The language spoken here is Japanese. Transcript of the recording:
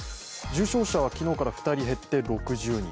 重症者は昨日から２人減って６０人。